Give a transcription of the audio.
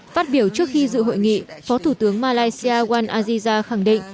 phát biểu trước khi dự hội nghị phó thủ tướng malaysia wan aziza khẳng định